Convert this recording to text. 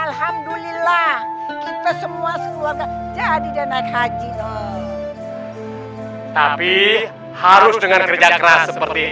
alhamdulillah kita semua keluarga jadi dan haji loh tapi harus dengan kerja keras seperti